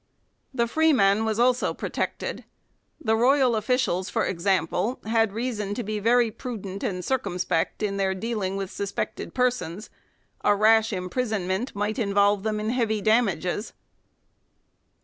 The freeman was also protected. The royal officials, for example, had reason to be very prudent and cir cumspect in their dealing with suspected persons : a rash imprisonment might involve them in heavy damages.